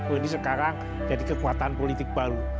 ini sekarang jadi kekuatan politik baru